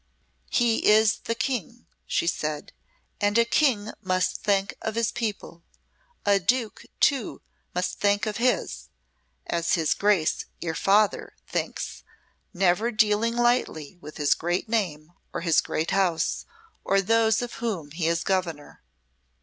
"He is the King," she said, "and a King must think of his people. A Duke, too, must think of his as his Grace, your father, thinks, never dealing lightly with his great name or his great house, or those of whom he is governor."